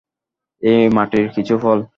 এ মাটির কিছু ফল।